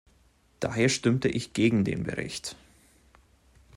Daher stimmte ich gegen den Bericht.